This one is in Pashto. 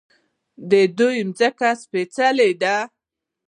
د دوی ځمکه سپیڅلې ده.